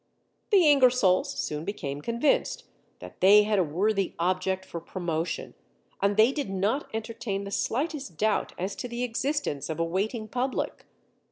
The Ingersolls soon became convinced that they had a worthy object for promotion, and they did not entertain the slightest doubt as to the existence of a waiting public.